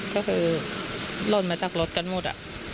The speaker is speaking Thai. ก็คือหล่นมาจากรถกันหมด